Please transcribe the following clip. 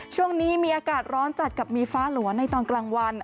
ช่วงนี้มีอากาศร้อนจัดกับมีฟ้าหลัวในตอนกลางวัน